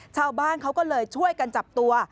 ชาวบ้านเขาก็เลยช่วยกันจับตัว